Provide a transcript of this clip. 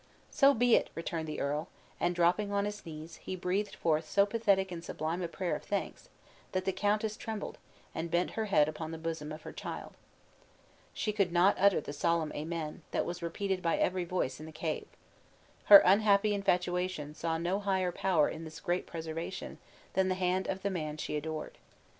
"So be it!" returned the earl, and dropping on his knees, he breathed forth so pathetic and sublime a prayer of thanks, that the countess trembled, and bent her head upon the bosom of her child. She could not utter the solemn Amen, that was repeated by every voice in the cave. Her unhappy infatuation saw no higher power in this great preservation than the hand of the man she adored.